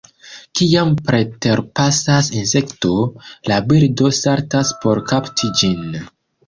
Kiam preterpasas insekto, la birdo saltas por kapti ĝin.